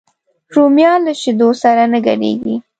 رومیان له شیدو سره نه ګډېږي